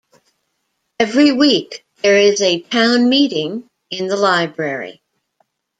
Every week there is a "Town Meeting" in the library.